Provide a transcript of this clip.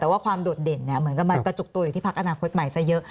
แต่ว่าความโดดเด่นเหมือนกับมันกระจุกตัวอยู่ที่พักอนาคตใหม่ซะเยอะ